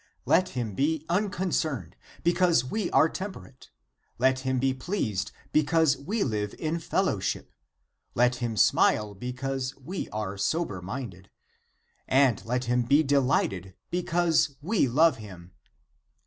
Let him be unconcerned, because we are temperate ; let him be pleased because we live in fel lowship; let him smile because we are sober minded, and let him be delighted because we love him